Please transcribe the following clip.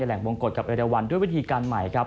ในแหล่งวงกฎกับเอเลียวันด้วยวิธีการใหม่